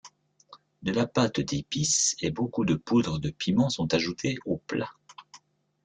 De la pâte d'épices et beaucoup de poudre de piment sont ajoutées au plat.